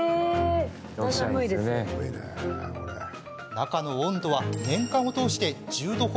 中の温度は年間を通して１０度程。